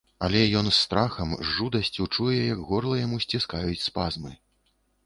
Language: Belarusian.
Але ён з страхам, з жудасцю чуе, як горла яму сціскаюць спазмы.